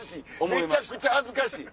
めちゃくちゃ恥ずかしい。